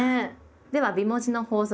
では美文字の法則